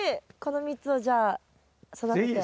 この３つをじゃあ育てて。